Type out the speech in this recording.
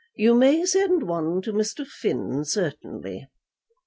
"You may send one to Mr. Finn, certainly."